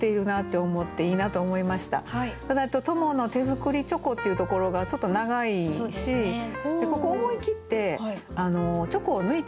ただ「友の手作りチョコ」っていうところがちょっと長いしここ思い切って「チョコ」を抜いてもいいかなと思いました。